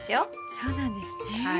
そうなんですね。